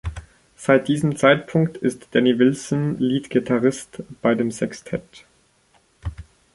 Seit diesem Zeitpunkt ist Danny Willson Leadgitarrist bei dem Sextett.